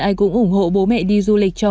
ai cũng ủng hộ bố mẹ đi du lịch cho